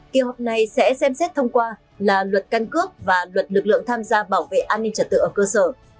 kỳ họp này sẽ xem xét thông qua là luật căn cước và luật lực lượng tham gia bảo vệ an ninh trật tự ở cơ sở